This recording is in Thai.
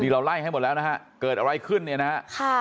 เราไล่ให้หมดแล้วนะฮะเกิดอะไรขึ้นเนี่ยนะฮะ